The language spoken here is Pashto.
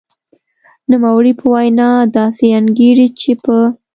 نوموړې په وینا داسې انګېري چې په